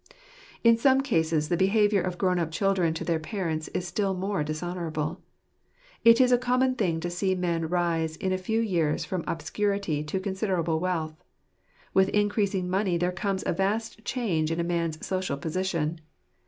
In some cases the behaviour of grown up children to their parents is still more dishonourable. It is a common thing to see men rise in a few years from obscurity to consider able wealth. With increasing money there comes a vast change in a man's social position.